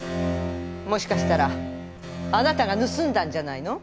もしかしたらあなたがぬすんだんじゃないの？